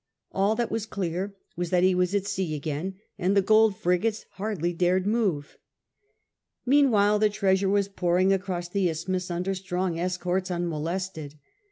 All that was clear was that he was at sea again, and the gold frigates hardly dared move. Meanwhile the treasure was pouring across the Isthmus under strong escorts unmolested.